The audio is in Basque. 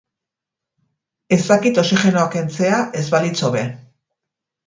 Ez dakit oxigenoa kentzea ez balitz hobe.